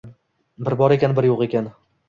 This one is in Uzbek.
Bir bor ekan, bir yo’q ekan